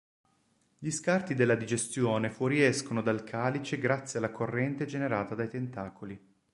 Gli scarti della digestione fuoriescono dal calice grazie alla corrente generata dai tentacoli.